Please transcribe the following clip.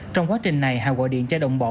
trong quá trình này hào gọi điện cho động bộ